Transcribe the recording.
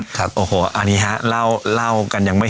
เป็นความเชื่อว่าหลวงพ่อพระนอนนั้นได้ให้กำลังใจในการที่จะสร้างสิ่งที่ดีงาม